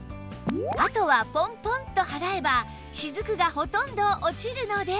あとはポンポンと払えば滴がほとんど落ちるので